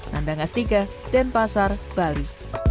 nandang astika dan pasar bali